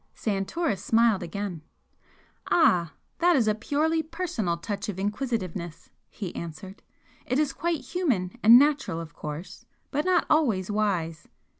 Santoris smiled again. "Ah! That is a purely personal touch of inquisitiveness!" he answered "It is quite human and natural, of course, but not always wise.